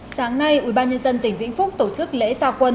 sáng nay ubnd tỉnh vĩnh phúc tổ chức lễ gia quân